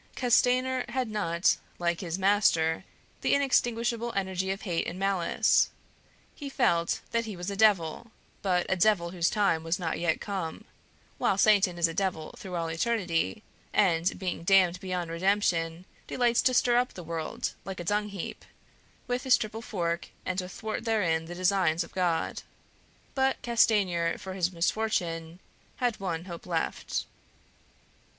Castanier had not, like his Master, the inextinguishable energy of hate and malice; he felt that he was a devil, but a devil whose time was not yet come, while Satan is a devil through all eternity, and being damned beyond redemption, delights to stir up the world, like a dungheap, with his triple fork and to thwart therein the designs of God. But Castanier, for his misfortune, had one hope left.